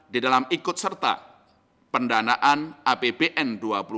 di dalam ikut serta pendanaan apbn dua ribu dua puluh